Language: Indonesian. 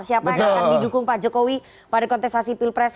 siapa yang akan didukung pak jokowi pada kontestasi pilpres dua ribu dua puluh empat